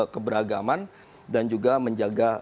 keberagaman dan juga menjaga